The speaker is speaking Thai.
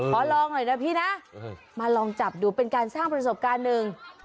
ลองหน่อยนะพี่นะมาลองจับดูเป็นการสร้างประสบการณ์หนึ่ง